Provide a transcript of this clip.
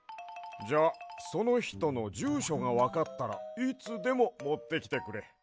じゃあそのひとのじゅうしょがわかったらいつでももってきてくれ。